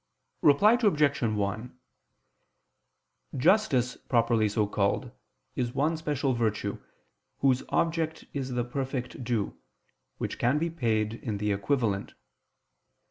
Reply Obj. 1: Justice properly so called is one special virtue, whose object is the perfect due, which can be paid in the equivalent.